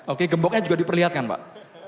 oke gemboknya juga diperlihatkan pak